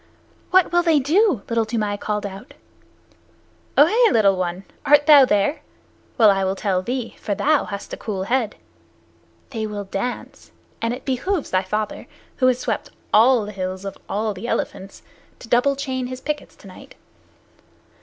"What will they do?" Little Toomai called out. "Ohe, little one. Art thou there? Well, I will tell thee, for thou hast a cool head. They will dance, and it behooves thy father, who has swept all the hills of all the elephants, to double chain his pickets to night."